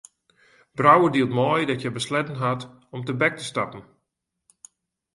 Brouwer dielt mei dat hja besletten hat om tebek te stappen.